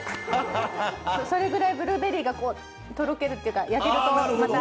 それぐらいブルーベリーがとろけるっていうか焼けるとまた。